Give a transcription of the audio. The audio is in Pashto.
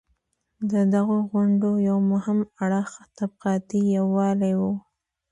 د دغو غونډو یو مهم اړخ طبقاتي یووالی و.